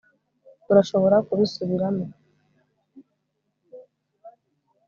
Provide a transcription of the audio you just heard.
urashobora kubisubiramo